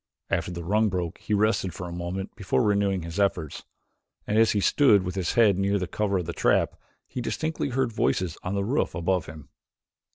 After the rung broke he rested for a moment before renewing his efforts, and as he stood with his head near the cover of the trap, he distinctly heard voices on the roof above him.